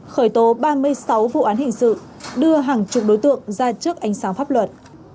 khởi tố ba mươi sáu vụ án hình sự đưa hàng chục đối tượng ra trước ánh sáng pháp luật